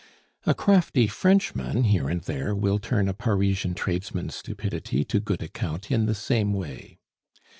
A crafty Frenchman here and there will turn a Parisian tradesman's stupidity to good account in the same way.